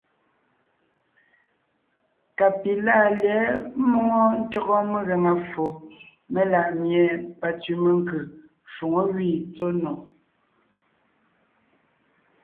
Ka pi láʼa lyɛ̌ʼ ḿmoŋo ntÿɔgɔ megaŋa ffo melaʼ mie pantsẅi menkʉ́ shwoŋó gẅí tsɔ́ nò.